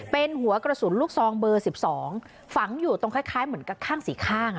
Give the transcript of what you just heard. เป็นหัวกระสุนลูกซองเบอร์๑๒ฝังอยู่ตรงคล้ายเหมือนกับข้างสี่ข้าง